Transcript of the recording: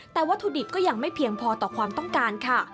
แต่วัตถุดิบก็ยังไม่เพียงพอต่อความต้องการค่ะ